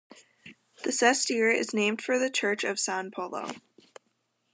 The sestiere is named for the Church of San Polo.